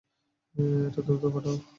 এটা দ্রুত পাঠাও।